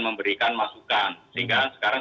memberikan masukan sehingga sekarang